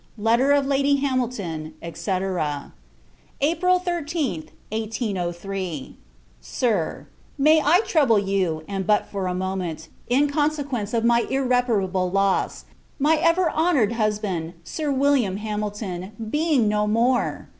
Letter of Lady Hamilton, &c. April 13th. [1803.] SIR, May I trouble you, and but for a moment, in consequence of my irreparable loss; my ever honoured husband, Sir William Hamilton, being no more!